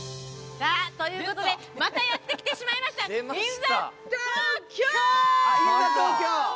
さあということでまたやって来てしまいましたはーっ！